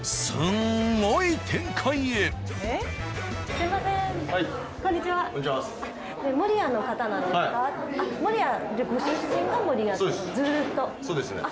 そうです。